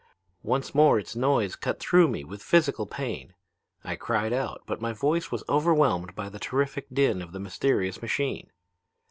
Once more its noise cut through me with physical pain. I cried out. But my voice was overwhelmed by the terrific din of the mysterious machine.